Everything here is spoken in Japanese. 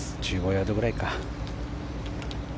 １５ヤードぐらいか。